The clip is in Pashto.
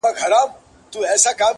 o کور تباه سوی د حبیبیانو.